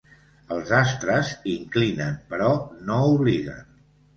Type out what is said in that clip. Els astres inclinen, però no obliguen.